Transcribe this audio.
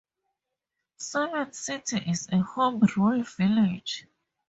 Cement City is a home rule village.